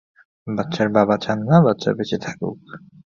বাচ্চার বাবা চান না বাচ্চা বেঁচে থাকুক।